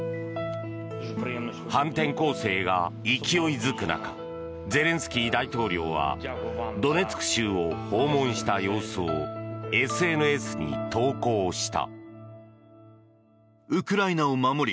反転攻勢が勢いづく中ゼレンスキー大統領はドネツク州を訪問した様子をＳＮＳに投稿した。